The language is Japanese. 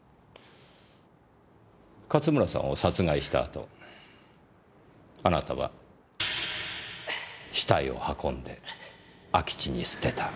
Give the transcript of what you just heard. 勝村さんを殺害した後あなたは死体を運んで空き地に捨てた。